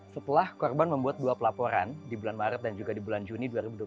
setelah korban membuat dua pelaporan di bulan maret dan juga di bulan juni dua ribu dua puluh